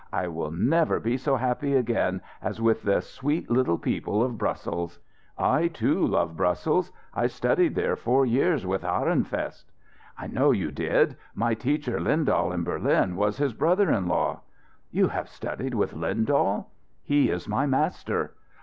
"I will never be so happy again as with the sweet little people of Brussels." "I, too, love Brussels. I studied there four years with Ahrenfest." "I know you did. My teacher, Lyndahl, in Berlin, was his brother in law." "You have studied with Lyndahl?" "He is my master."